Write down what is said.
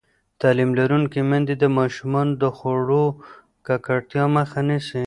تعلیم لرونکې میندې د ماشومانو د خوړو ککړتیا مخه نیسي.